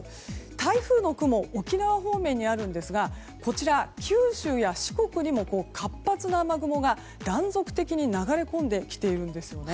台風の雲、沖縄方面にありますがこちら、九州や四国にも活発な雨雲が断続的に流れ込んできているんですね。